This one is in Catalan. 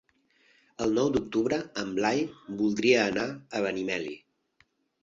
El nou d'octubre en Blai voldria anar a Benimeli.